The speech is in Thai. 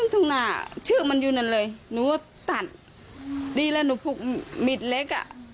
ตรงหน้าชื่อมันอยู่นั่นเลยหนูก็ตัดดีแล้วหนูผูกมิดเล็กอ่ะ